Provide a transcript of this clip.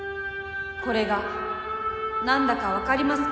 これが何だか分かりますか？